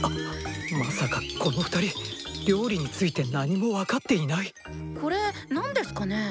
まさかっこの２人料理について何も分かっていない⁉これ何ですかね？